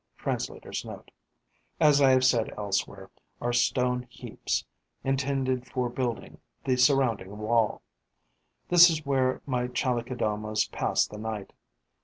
Translator's Note.), as I have said elsewhere, are stone heaps, intended for building the surrounding wall. This is where my Chalicodomae pass the night.